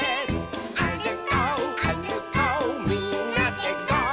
「あるこうあるこうみんなでゴー！」